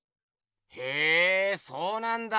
へえそうなんだ。